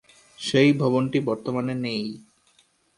সেই ভবনটি বর্তমানে নেই।